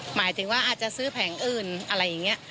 หากจะซื้อแผลงอื่นอะไรอย่างเนี้ย